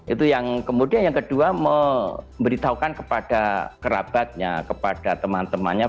itu yang kemudian yang kedua memberitahukan kepada kerabatnya kepada teman temannya